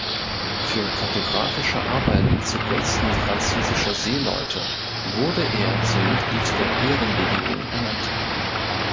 Für kartographische Arbeiten zugunsten französischer Seeleute wurde er zum Mitglied der Ehrenlegion ernannt.